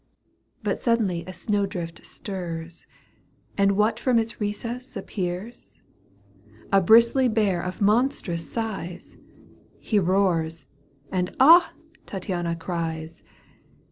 But suddenly a snowdrift stirs. And what from its recess appears ?— A bristly bear of monstrous size ! He roars, and " Ah !" Tattiana cries.